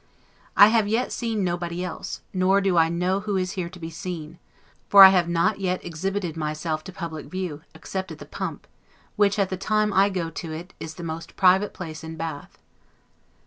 I have yet seen nobody else, nor do I know who here is to be seen; for I have not yet exhibited myself to public view, except at the pump, which, at the time I go to it, is the most private place in Bath.